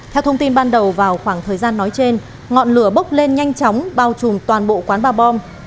theo thông tin ban đầu vào khoảng thời gian nói trên ngọn lửa bốc lên nhanh chóng bao trùm toàn bộ quán ba bom